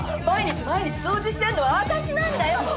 毎日毎日掃除してんのは私なんだよ。